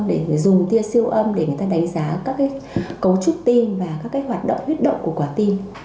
để dùng tiên siêu âm để đánh giá các cấu trúc tim và các hoạt động huyết động của quả tim